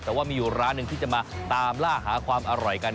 แต่ว่ามีอยู่ร้านหนึ่งที่จะมาตามล่าหาความอร่อยกัน